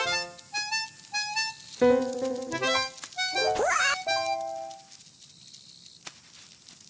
うわっ！